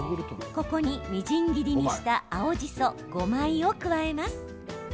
ここに、みじん切りにした青じそ５枚を加えます。